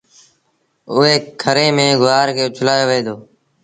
اُئي کري ميݩ گُوآر کي اُڇلآيو وهي دو۔